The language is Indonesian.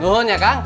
nuhun ya kang